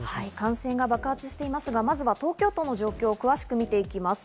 感染が爆発していますが、まず東京都の状況を見ていきます。